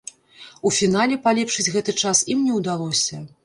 У фінале палепшыць гэты час ім не ўдалося.